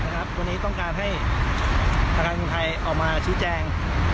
วันนี้ต้องการให้อาทารยธรรมไทยออกมาชิ้นแจง